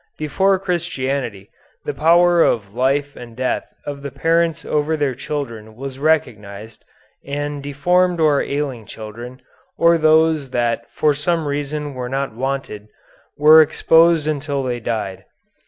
Before Christianity the power even of life and death of the parents over their children was recognized, and deformed or ailing children, or those that for some reason were not wanted, were exposed until they died.